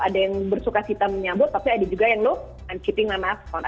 ada yang bersuka kita menyambut tapi ada juga yang nope i'm keeping my mask on